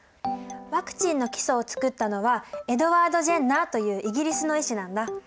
ワクチンの基礎をつくったのはエドワード・ジェンナーというイギリスの医師なんだ。